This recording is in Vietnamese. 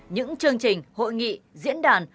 những chương trình hội nghị diễn đàn